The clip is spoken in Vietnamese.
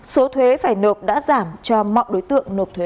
số thuế phải nộp đã giảm cho mọi đối tượng nộp thuế